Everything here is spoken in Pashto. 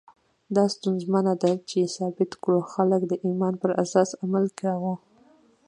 دا ستونزمنه ده چې ثابته کړو خلکو د ایمان پر اساس عمل کاوه.